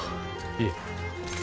いえ。